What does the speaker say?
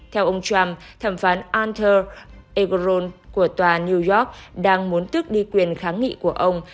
theo ông trump thẩm phán anter egoron của tòa new york đang muốn tước đi quyền kháng nghị của ông